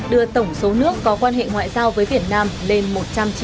đưa tổng số nước có quan hệ ngoại giao với việt nam lên một trăm chín mươi ba nước